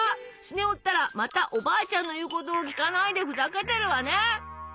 スネ夫ったらまたおばあちゃんの言うことを聞かないでふざけてるわね。